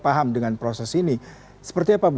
paham dengan proses ini seperti apa bu